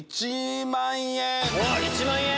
１万円。